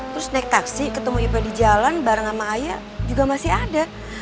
terus naik taksi ketemu ibu di jalan bareng sama ayah juga masih ada